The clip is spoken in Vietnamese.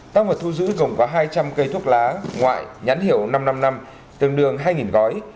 tác vật thu giữ gồm có hai trăm linh cây thuốc lá ngoại nhắn hiểu năm trăm năm mươi năm tương đương hai gói